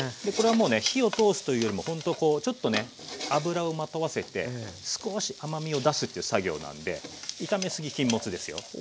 これはもうね火を通すというよりもほんとちょっとね油をまとわせて少し甘みを出すって作業なんで炒めすぎ禁物ですよ。